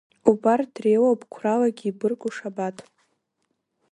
Убарҭ дреиуоуп қәралагьы ибыргу Шабаҭ.